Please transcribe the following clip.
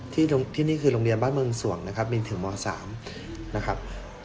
ที่นี่คือโรงเรียนบ้านเมืองส่วงนะครับบินถึงม๓นะครับ